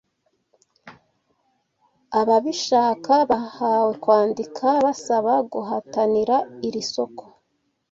Ababishaka bahawe kwandika basaba guhatanira iri soko